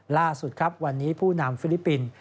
ล่าสุดครับวันนี้ผู้นำฟิลิปปินส์